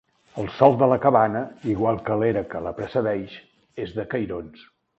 El sòl de la cabana, igual que l'era que la precedeix, és de cairons.